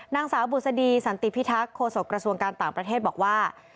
นางสาวบุษดีสันติพิทักษ์โฆษกระทรวงการต่างประเทศบอกว่า